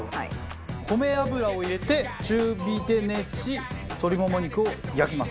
米油を入れて中火で熱し鶏もも肉を焼きます。